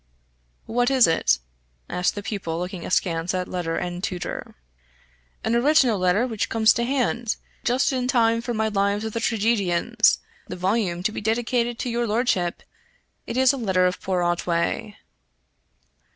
"What is it?" asked the pupil looking askance at letter, and tutor. "An original letter which comes to hand, just in time for my lives of the tragedians the volume to be dedicated to your lordship it is a letter of poor Otway."